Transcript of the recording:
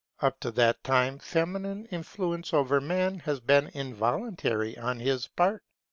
Up to that time feminine influence over Man has been involuntary on his part.